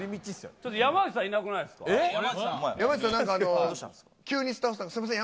ちょっと山内さん、いなくなほんまや。